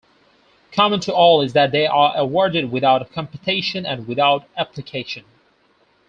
Common to all is that they are awarded without competition and without application.